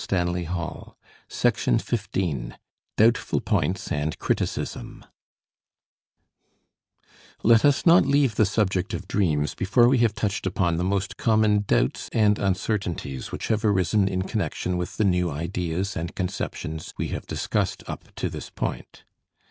FIFTEENTH LECTURE THE DREAM Doubtful Points and Criticism Let us not leave the subject of dreams before we have touched upon the most common doubts and uncertainties which have arisen in connection with the new ideas and conceptions we have discussed up to this point.